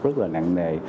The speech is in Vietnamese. rất là nặng nề